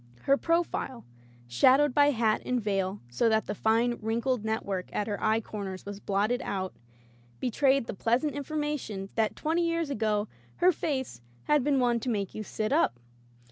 Her profile, shadowed by hat and veil so that the fine wrinkled network at her eye corners was blotted out, betrayed the pleasant information that twenty years ago her face had been one to make you sit up.